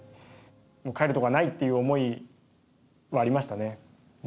もう帰るところはないっていう思いはありましたねうん。